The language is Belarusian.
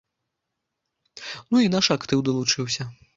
Ну і наш актыў далучыўся.